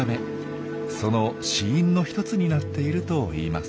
その死因の一つになっているといいます。